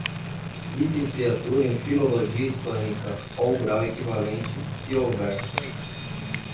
Licenciatura em Filologia Hispânica, ou grau equivalente, se houver.